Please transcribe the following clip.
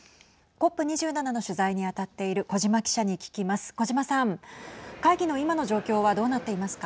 ＣＯＰ２７の取材に当たっている小島記者に聞きます。